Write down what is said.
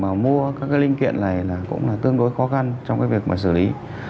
với việc mua các linh kiện này cũng tương đối khó khăn trong việc xử lý